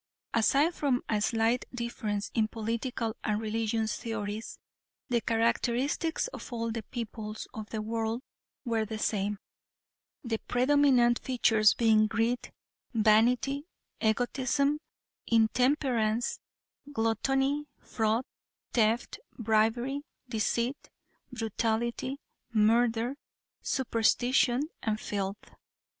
Aside from a slight difference in political and religious theories, the characteristics of all the peoples of the world were the same; the predominant features being greed, vanity, egotism, intemperance, gluttony, fraud, theft, bribery, deceit, brutality, murder, superstition and filth.